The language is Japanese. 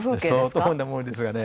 相当な森ですがね。